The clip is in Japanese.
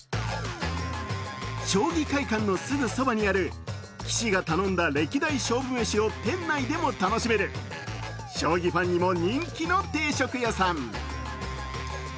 将棋会館のすぐそばにある棋士が頼んだ歴代勝負メシを店内でも楽しめる将棋ファンにも人気の定食屋さん。